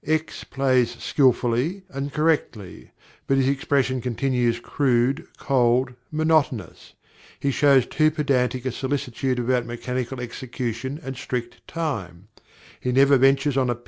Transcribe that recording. X. plays skilfully and correctly, but his expression continues crude, cold, monotonous; he shows too pedantic a solicitude about mechanical execution and strict time; he never ventures on a _pp.